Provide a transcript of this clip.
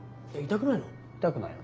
痛くないよ。